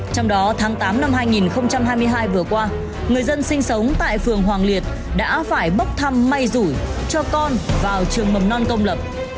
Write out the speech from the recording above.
trong đó tháng tám năm hai nghìn hai mươi hai vừa qua người dân sinh sống tại phường hoàng liệt đã phải bốc thăm may rủi cho con vào trường mầm non công lập